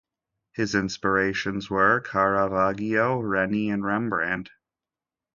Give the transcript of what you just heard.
His inspirations were Caravaggio, Reni and Rembrandt.